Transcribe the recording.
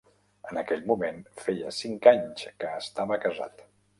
En aquell moment feia cinc anys que estava casat.